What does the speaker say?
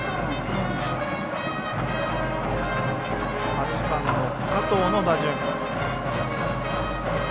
８番の加藤の打順。